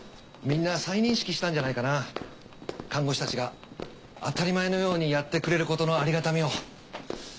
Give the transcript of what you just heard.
みんな再認識したんじゃないかな看護師たちが当たり前のようにやってくれることのありがたみを。